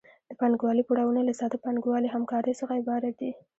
د پانګوالي پړاوونه له ساده پانګوالي همکارۍ څخه عبارت دي